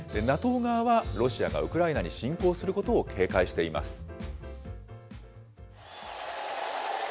ＮＡＴＯ側は、ロシアがウクライナに侵攻することを警戒しています。